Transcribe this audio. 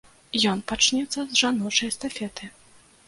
Ён пачнецца з жаночай эстафеты.